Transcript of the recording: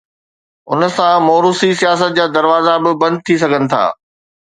ان سان موروثي سياست جا دروازا به بند ٿي سگهن ٿا.